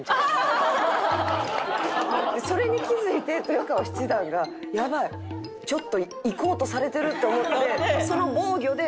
それに気づいて豊川七段が「やばいちょっと行こうとされてる」と思って。